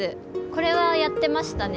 これはやってましたね